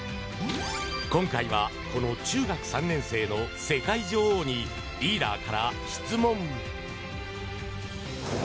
今回は、この中学３年生の世界女王に、リーダーから質問。